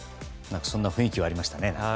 そんな雰囲気はありましたね。